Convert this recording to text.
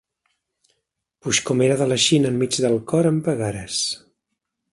Puix com era de la Xina enmig del cor em pegares.